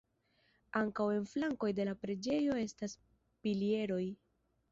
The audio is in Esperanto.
Ankaŭ en flankoj de la preĝejo estas pilieroj.